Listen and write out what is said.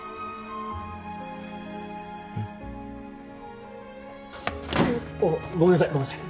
うん。あっごめんなさいごめんなさい。